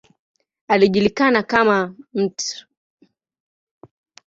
Alijulikana kama ""Mt.